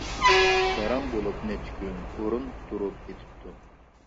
گاراڭ بولۇپ نەچچە كۈن، ئورۇن تۇرۇپ يېتىپتۇ.